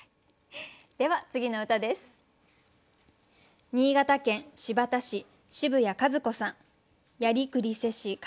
では次の歌です。